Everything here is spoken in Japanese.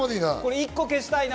１個消したいな。